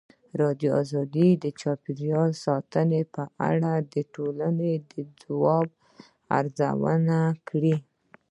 ازادي راډیو د چاپیریال ساتنه په اړه د ټولنې د ځواب ارزونه کړې.